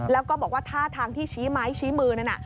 แล้วก็บอกว่าท่าทางที่ชี้ไม้ชี้มือนั่นน่ะ